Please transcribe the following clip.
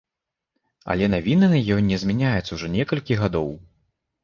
Але навіна на ёй не змяняюцца ўжо некалькі гадоў.